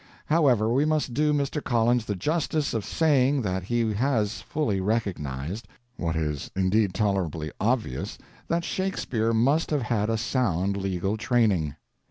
However, we must do Mr. Collins the justice of saying that he has fully recognized, what is indeed tolerably obvious, that Shakespeare must have had a sound legal training.